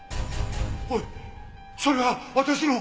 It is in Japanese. おいそれは私の！